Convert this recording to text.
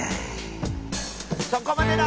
そこまでだ！